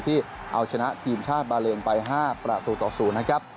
ที่เอาชนะทีมชาติบาเลนไป๕ประตูต่อ๐นะครับ